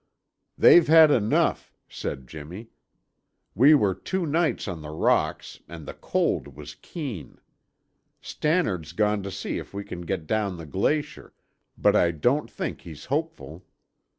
"They've had enough," said Jimmy. "We were two nights on the rocks and the cold was keen. Stannard's gone to see if we can get down the glacier, but I don't think he's hopeful.